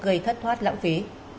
gây thất thoát lãng phí